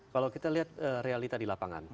kalau kita lihat realita di lapangan